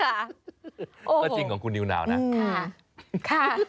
ก็จริงของคุณนิวนาวนะ